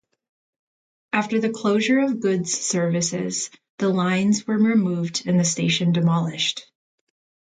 After the closure of goods services, the lines were removed and the station demolished.